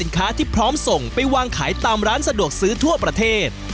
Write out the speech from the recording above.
ค้าที่พร้อมส่งไปวางขายตามร้านสะดวกซื้อทั่วประเทศ